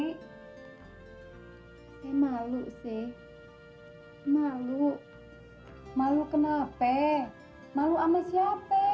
hai emak lu sih malu malu kenapa malu ama siapa